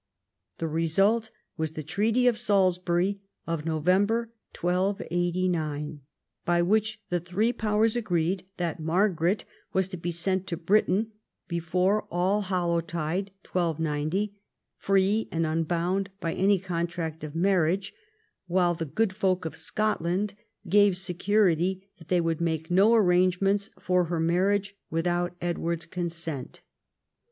The result was the Treaty of Salisbury, of November 1289, by which the three powers agreed that Margaret was to be sent to Britain before All Hallowtide 1290, free and unbound by any contract of marriage, while the " good folk of Scotland " gave security that they would make no arrangements for her marriage without Edward's con sent.